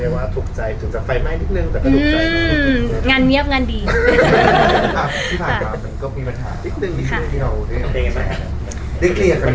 หมายถึงว่าถูกใจถึงจากไฟไมกนิดนึง